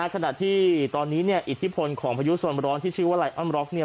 ขณะที่ตอนนี้เนี่ยอิทธิพลของพายุส่วนร้อนที่ชื่อว่าไลออนร็อกเนี่ย